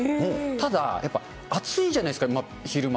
ただ、やっぱ暑いじゃないですか、昼間。